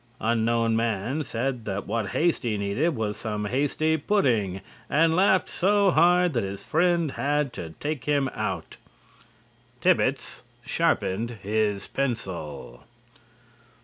Unknown man said that what Hasty needed was some hasty pudding, and laughed so hard that his friend had to take him out. Thibbets sharpened his pencil.